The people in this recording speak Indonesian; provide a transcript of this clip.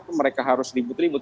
karena mereka harus ribut ribut